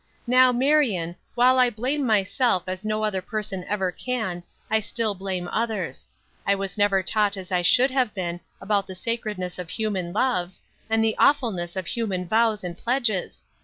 Now, Marion, while I blame myself as no other person ever can, I still blame others. I was never taught as I should have been about the sacredness of human loves, and the awfulness of human vows and pledges.